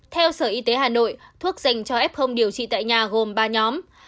theo sở y tế hà nội thuốc dành cho f điều trị tại nhà gồm ba nhóm